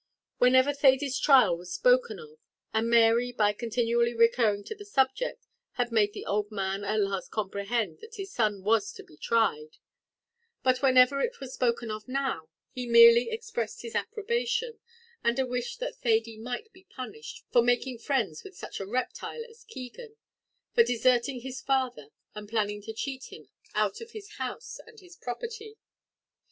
Whenever Thady's trial was spoken of; and Mary, by continually recurring to the subject, had made the old man at last comprehend that his son was to be tried; but whenever it was spoken of now, he merely expressed his approbation, and a wish that Thady might be punished, for making friends with such a reptile as Keegan for deserting his father, and planning to cheat him out of his house and his property.